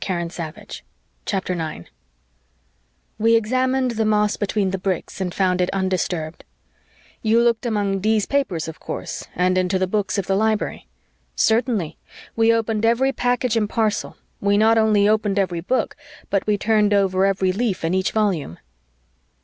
CHAPTER 9 "We examined the moss between the bricks, and found it undisturbed." "You looked among D 's papers, of course, and into the books of the library?" "Certainly; we opened every package and parcel; we not only opened every book, but we turned over every leaf in each volume...."